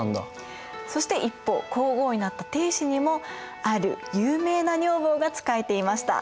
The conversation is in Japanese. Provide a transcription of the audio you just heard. そして一方皇后になった定子にもある有名な女房が仕えていました。